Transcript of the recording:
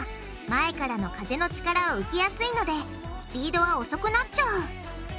前からの風の力を受けやすいのでスピードは遅くなっちゃう。